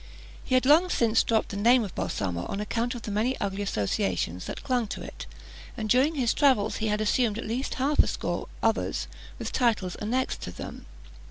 He had long since dropped the name of Balsamo on account of the many ugly associations that clung to it; and during his travels had assumed at least half a score others, with titles annexed to them.